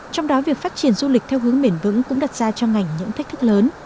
trong đó việc phát triển du lịch theo hướng bền vững cũng đặt ra cho ngành những thách thức lớn